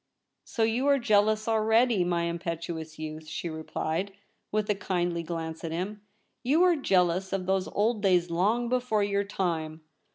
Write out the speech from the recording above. ' So you are jealous already, my Impetuous youth,' she replied, with a kindly glance at him. ' You are jealous of those old days long before your time.